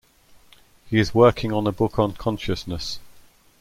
He is working on a book on consciousness.